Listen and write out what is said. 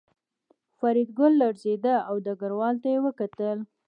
فریدګل لړزېده او ډګروال ته یې وکتل